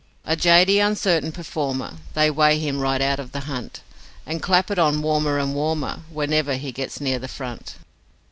A jady, uncertain performer, They weight him right out of the hunt, And clap it on warmer and warmer Whenever he gets near the front.